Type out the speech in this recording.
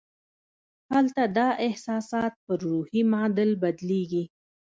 هلته دا احساسات پر روحي معادل بدلېږي